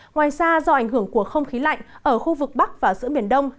ngoài ra do ảnh hưởng của không khí lạnh ở khu vực bắc và giữa biển đông